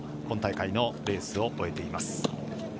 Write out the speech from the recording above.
今大会のレースを終えています。